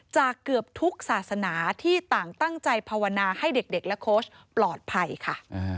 เกือบทุกศาสนาที่ต่างตั้งใจภาวนาให้เด็กและโค้ชปลอดภัยค่ะ